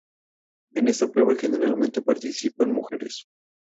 En esta prueba generalmente participan mujeres.